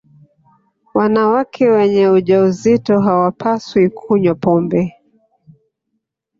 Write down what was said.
wanawake wenye ujauzito hawapaswi kunywa pombe